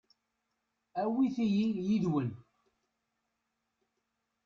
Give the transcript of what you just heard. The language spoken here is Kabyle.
Awit-iyi yid-wen.